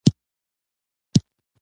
په اندازه کولو کې اصطلاحات او تعریفونه